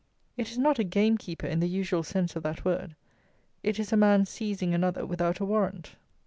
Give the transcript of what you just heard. It is not a gamekeeper in the usual sense of that word; it is a man seizing another without a warrant.